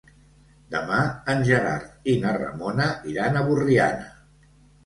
Demà en Gerard i na Ramona iran a Borriana.